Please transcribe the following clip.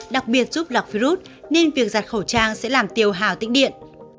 đặc biệt giúp lọc virus nên việc giặt khẩu trang sẽ làm tiêu hào tĩnh điện